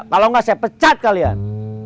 kalau enggak saya pecat kalian